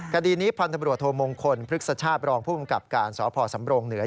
คดีนี้พันธบรวจโทมงคลพฤกษชาติรองผู้กำกับการสพสำรงเหนือ